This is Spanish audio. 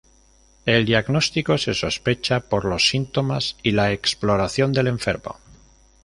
El diagnóstico se sospecha por los síntomas y la exploración del enfermo.